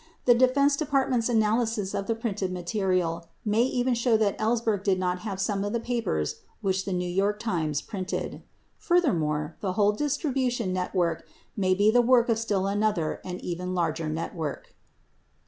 The Defense Depart ment's analysis of the printed material may even show that Ellsberg did not have some of the papers which the New York Times printed. Furthermore, the whole distribution network may be the work of still another and even larger network.